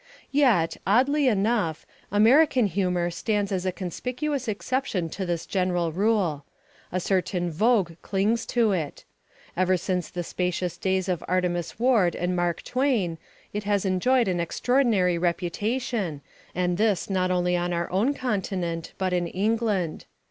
Yet, oddly enough, American humour stands as a conspicuous exception to this general rule. A certain vogue clings to it. Ever since the spacious days of Artemus Ward and Mark Twain it has enjoyed an extraordinary reputation, and this not only on our own continent, but in England.